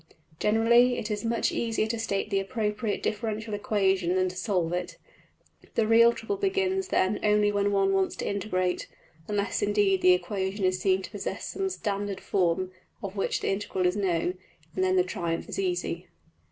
Generally it is much easier to state the appropriate differential equation than to solve it: the real trouble begins then only when one wants to integrate, unless indeed the equation is seen to possess some standard form of which the integral is known, and then the triumph is easy.